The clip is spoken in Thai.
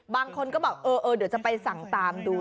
บางคนก็บอกเออเดี๋ยวจะไปสั่งตามดู